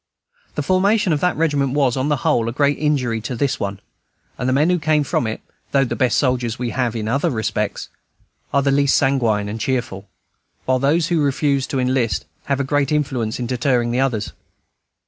The formation of that regiment was, on the whole, a great injury to this one; and the men who came from it, though the best soldiers we have in other respects, are the least sanguine and cheerful; while those who now refuse to enlist have a great influence in deterring others.